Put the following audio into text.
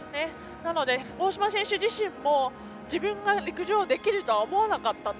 なので大島選手自身も自分が陸上をできるとは思わなかったと。